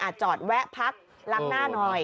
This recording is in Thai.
จอดแวะพักล้างหน้าหน่อย